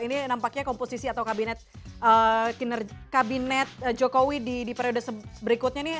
ini nampaknya komposisi atau kabinet jokowi di periode berikutnya nih